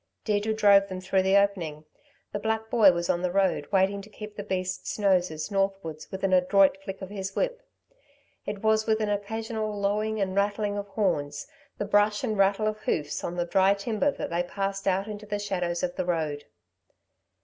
Deirdre drove them through the opening. The black boy was on the road waiting to keep the beasts' noses northwards with an adroit flick of his whip. It was with an occasional lowing and rattling of horns, the brush and rattle of hoofs on the dry timber that they passed out into the shadows of the road.